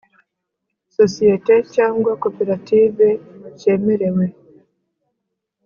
sosiyete cyangwa koperative cyemerewe